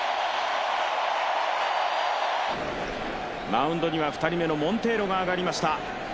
マウンドには２人目のモンテーロが上がりました。